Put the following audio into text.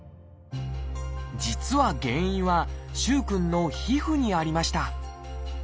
実は原因は萩くんの皮膚にありました。